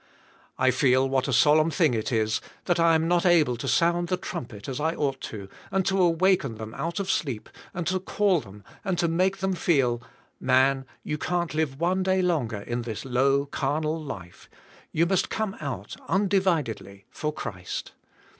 I feel wliat a solemn thing it is, that t am not able to sound the trumpet as I oug ht to and to awaken them out of sleep and to call them and to make them feel, "Man, you can't live one day long er in this low carnal life, you must come out undividedly, for Christ."